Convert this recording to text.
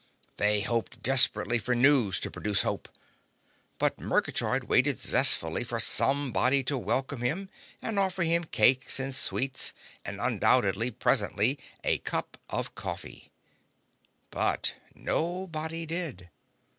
They hoped desperately for news to produce hope. But Murgatroyd waited zestfully for somebody to welcome him and offer him cakes and sweets, and undoubtedly presently a cup of coffee. But nobody did.